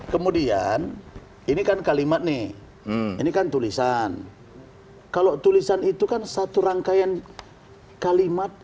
kemudian ini kan kalimat nih ini kan tulisan kalau tulisan itu kan satu rangkaian kalimat